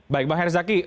baik bang herzaki